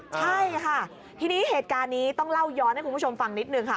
ใช่ค่ะทีนี้เหตุการณ์นี้ต้องเล่าย้อนให้คุณผู้ชมฟังนิดนึงค่ะ